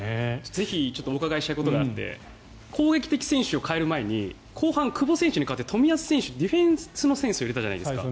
ぜひお伺いしたいことがあって攻撃的選手を代える前に後半久保選手に代わって冨安選手ディフェンスの選手を入れたじゃないですか。